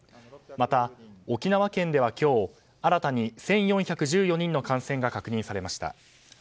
また、沖縄県では今日新たに１４１４人の感染が確認されました。